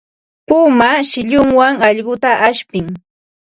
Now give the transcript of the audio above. Puma shillunwan allquta ashpin.